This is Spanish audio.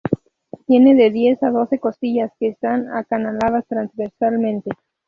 Tiene de diez o doce costillas que están acanaladas transversalmente.